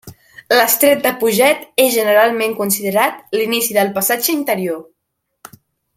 L'estret de Puget és generalment considerat l'inici del Passatge Interior.